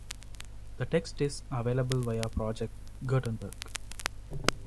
The text is available via Project Gutenberg.